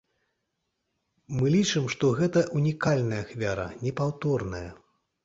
Мы лічым, што гэта ўнікальная ахвяра, непаўторная.